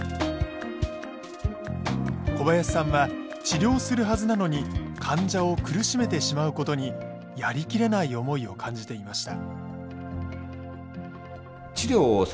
小林さんは治療するはずなのに患者を苦しめてしまうことにやりきれない思いを感じていました。